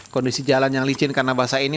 kondisi jalan yang licin karena basah ini